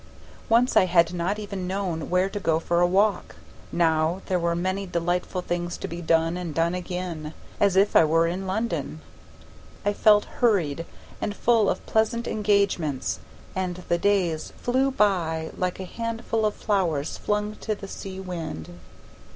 Once I had not even known where to go for a walk; now there were many delightful things to be done and done again, as if I were in London. I felt hurried and full of pleasant engagements, and the days flew by like a handful of flowers flung to the sea wind.